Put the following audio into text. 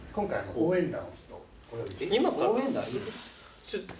・応援団？